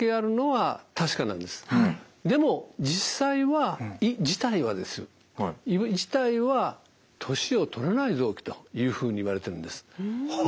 でも実際は胃自体はですよ胃自体は年をとらない臓器というふうにいわれてるんです。